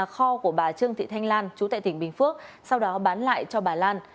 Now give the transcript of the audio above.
kho của bà trương thị thanh lan chú tại tỉnh bình phước sau đó bán lại cho bà lan